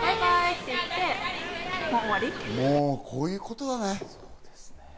もう、こういうことだね。